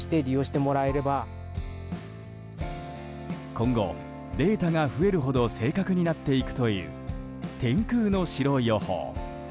今後、データが増えるほど正確になっていくという天空の城予報。